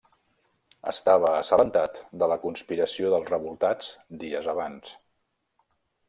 Estava assabentat de la conspiració dels revoltats dies abans.